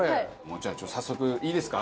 じゃあ早速いいですか？